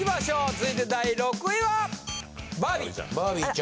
続いて第６位は？